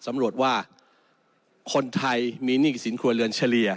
สำรวจว่าคนไทยมีหนี้สินครัวเรือนเฉลี่ย